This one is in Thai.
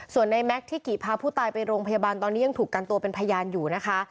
ส่วนในแม็กซ์ที่กิพาผู้ตายไปโรงพยาบาลตอนนี้ยังถูกกันตัวเป็นพยานอยู่นะคะ